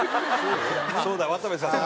そうだ渡部さんだ。